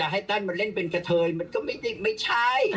ให้ตั้นมาเล่นเป็นกะเทยมันก็ไม่ใช่